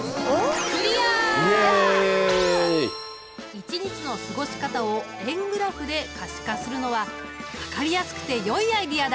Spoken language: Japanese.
一日の過ごし方を円グラフで可視化するのは分かりやすくてよいアイデアだ！